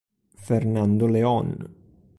Fernando León